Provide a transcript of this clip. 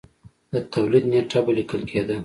د تولید نېټه به لیکل کېده